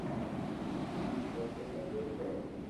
ھون ڪنري مي ريون هون